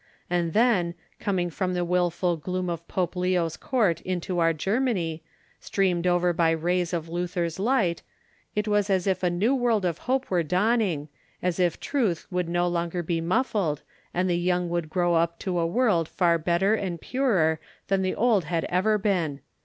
And then, coming from the wilful gloom of Pope Leo's court into our Germany, streamed over by the rays of Luther's light, it was as if a new world of hope were dawning, as if truth would no longer be muffled, and the young would grow up to a world far better and purer than the old had ever seen.